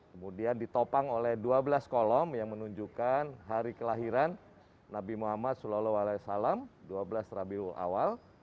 kemudian ditopang oleh dua belas kolom yang menunjukkan hari kelahiran nabi muhammad saw dua belas rabiul awal